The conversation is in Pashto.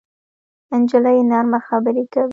نجلۍ نرمه خبرې کوي.